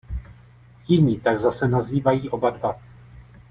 Jiní tak zase nazývají oba dva.